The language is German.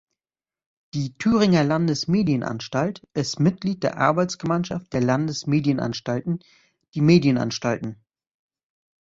Die "Thüringer Landesmedienanstalt" ist Mitglied der Arbeitsgemeinschaft der Landesmedienanstalten "die medienanstalten.